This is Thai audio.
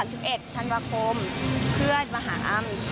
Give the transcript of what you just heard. วันที่๓๑ธันวาคมเพื่อนมาหาอ้ำ